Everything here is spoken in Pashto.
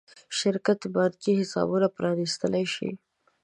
شرکت بانکي حسابونه پرانېستلی شي.